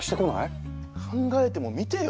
考えてもみてよ。